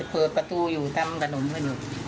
เปิดประตูอยู่ตามกระหนุมกัน